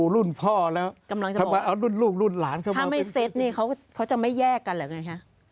รุ่นพ่อแล้วลูกด้วยคนรุ่นลูกรุ่นหลานก็ไม่เสร็จนะเขาเขาจะไม่แยกกันละเงี้ย